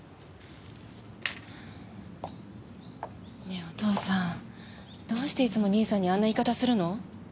ねえお父さんどうしていつも兄さんにあんな言い方するの？